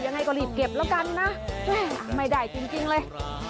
ยังไงก็รีบเก็บแล้วกันนะไม่ได้จริงเลย